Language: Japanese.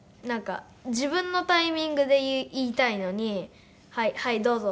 自分のタイミングで言いたいのにはいどうぞ！